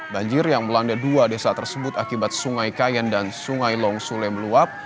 banjir yang melanda dua desa tersebut akibat sungai kayen dan sungai long sule meluap